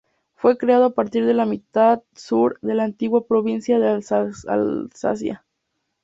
Fue creado a partir de la mitad sur de la antigua provincia de Alsacia.